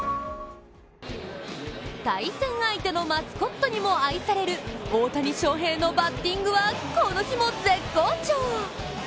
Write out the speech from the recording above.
対戦相手のマスコットにも愛される大谷翔平のバッティングはこの日も絶好調！